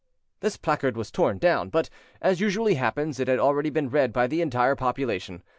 This placard was torn down; but, as usually happens, it had already been read by the entire population.